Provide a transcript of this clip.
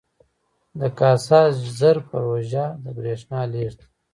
د کاسا زر پروژه د بریښنا لیږد ده